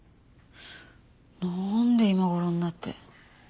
なんで今頃になって。